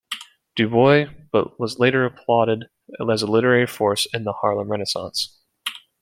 DuBois, but was later applauded as a literary force in the Harlem Renaissance.